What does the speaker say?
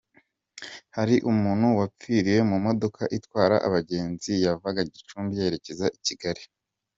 Hari umuntu wapfiriye mu modoka itwara abagenzi yavanga Gicumbi yerekeza I Kigali .